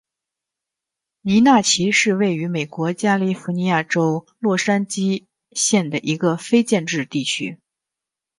尼纳奇是位于美国加利福尼亚州洛杉矶县的一个非建制地区。